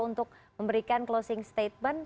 untuk memberikan closing statement